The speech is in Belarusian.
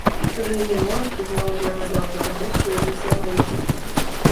Жыгімонт зноў загадаў вярнуць ёй усе маёнткі.